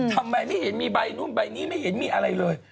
ทำไมไม่เห็นมีใบนู่นใบนี้ไม่เห็นมีอะไรเลย